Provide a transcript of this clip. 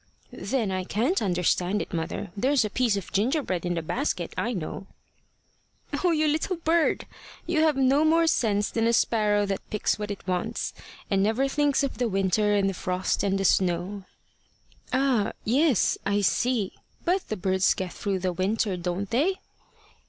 "Then I can't understand it, mother. There's a piece of gingerbread in the basket, I know." "O you little bird! You have no more sense than a sparrow that picks what it wants, and never thinks of the winter and the frost and, the snow." "Ah yes I see. But the birds get through the winter, don't they?"